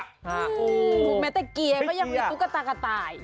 แม้แต่เกียร์ก็ยังมีตุ๊กตากระต่าย